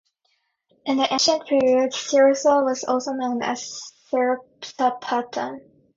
In the ancient period, Sirsa was also known as Sirsapattan.